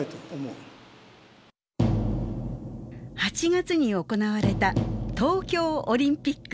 ８月に行われた東京オリンピック。